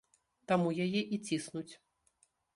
Таму яе і ціснуць.